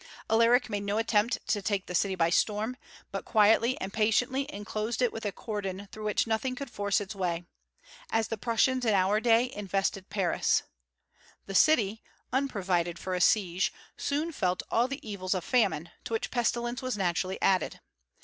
Alaric made no attempt to take the city by storm, but quietly and patiently enclosed it with a cordon through which nothing could force its way, as the Prussians in our day invested Paris. The city, unprovided for a siege, soon felt all the evils of famine, to which pestilence was naturally added.